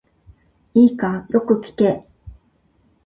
いいか、よく聞け。